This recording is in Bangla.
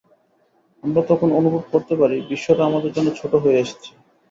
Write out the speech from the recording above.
আমরা এখন অনুভব করতে পারি, বিশ্বটা আমাদের জন্য ছোট হয়ে এসেছে।